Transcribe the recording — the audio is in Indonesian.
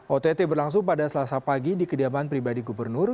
ott berlangsung pada selasa pagi di kediaman pribadi gubernur